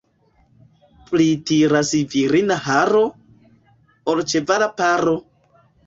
Pli tiras virina haro, ol ĉevala paro.